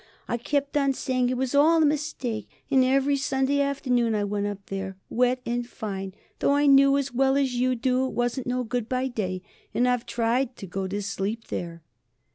I kept on saying it was all a mistake. And every Sunday afternoon I went up there, wet and fine, though I knew as well as you do it wasn't no good by day. And I've tried to go to sleep there."